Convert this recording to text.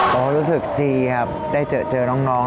ก็รู้สึกดีครับได้เจอน้อง